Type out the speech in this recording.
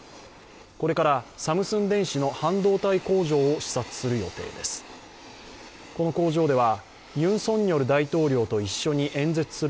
これからサムスン電子の半導体工場を視察する予定です。